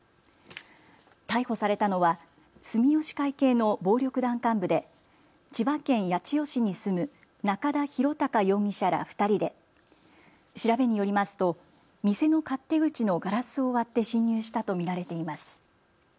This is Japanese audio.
逮捕されたのは住吉会系の暴力団幹部で千葉県八千代市に住む仲田博孝容疑者ら２人で調べによりますと店の勝手口のガラスを割って侵入したと見られています。